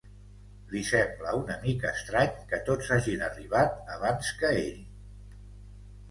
Li sembla una mica estrany que tots hagin arribat abans que ell.